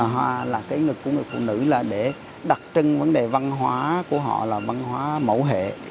hoa là cái ngực của người phụ nữ là để đặc trưng vấn đề văn hóa của họ là văn hóa mẫu hệ